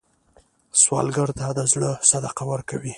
سوالګر ته د زړه صدقه ورکوئ